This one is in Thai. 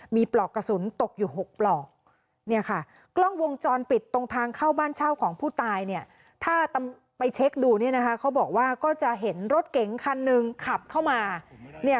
มีปลอกกระสุนตกอยู่ว่าปลอกนี่คะกล้องวงจรปิดตรงทางเข้าบ้านเช่าของผู้ตายเนี่ย